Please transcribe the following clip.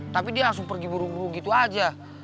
tapi dia langsung pergi buru buru gitu aja